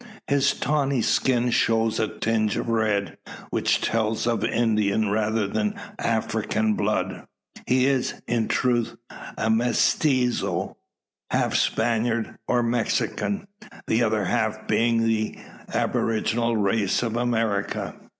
His tawny skin shows a tinge of red, which tells of Indian, rather than African blood. He is, in truth, a mestizo half Spaniard or Mexican, the other half being the aboriginal race of America.